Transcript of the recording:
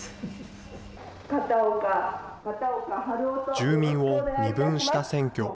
住民を二分した選挙。